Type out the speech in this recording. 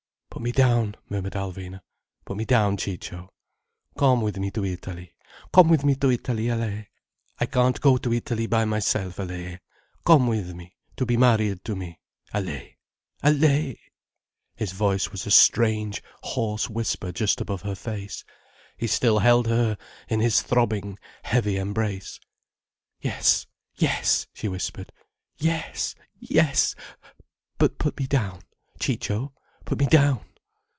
"Put me down," murmured Alvina. "Put me down, Ciccio." "Come with me to Italy. Come with me to Italy, Allaye. I can't go to Italy by myself, Allaye. Come with me, be married to me—Allaye, Allaye—" His voice was a strange, hoarse whisper just above her face, he still held her in his throbbing, heavy embrace. "Yes—yes!" she whispered. "Yes—yes! But put me down, Ciccio. Put me down."